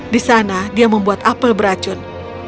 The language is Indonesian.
di sana dia membuat apel beracun